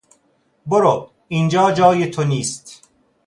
برو، اینجا جای تو نیست!